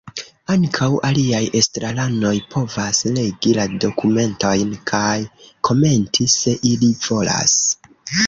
Ankaŭ aliaj estraranoj povas legi la dokumentojn kaj komenti, se ili volas.